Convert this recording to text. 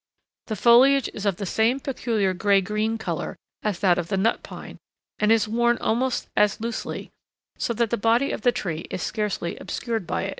The foliage is of the same peculiar gray green color as that of the Nut Pine, and is worn about as loosely, so that the body of the tree is scarcely obscured by it.